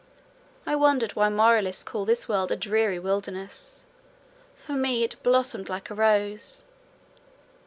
I wondered why moralists call this world a dreary wilderness: for me it blossomed like a rose.